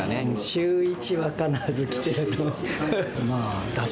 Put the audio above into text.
週１は必ず来てると思います。